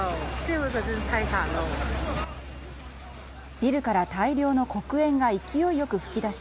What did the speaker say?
ビルから大量の黒煙が勢いよく噴き出し